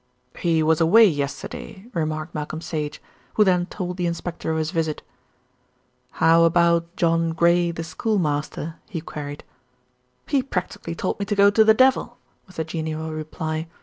"He was away yesterday," remarked Malcolm Sage, who then told the inspector of his visit. "How about John Gray, the schoolmaster?" he queried. "He practically told me to go to the devil," was the genial reply.